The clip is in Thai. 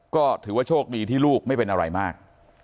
ก็ถือว่าโชคดีที่ลูกไม่เป็นอะไรมาก